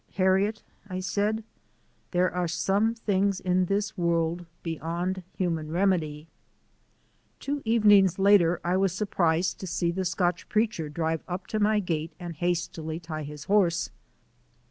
"Harriet," I said, "there are some things in this world beyond human remedy." Two evenings later I was surprised to see the Scotch Preacher drive up to my gate and hastily tie his horse.